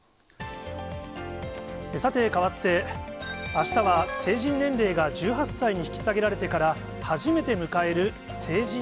さて、かわって、あしたは成人年齢が１８歳に引き下げられてから、初めて迎える成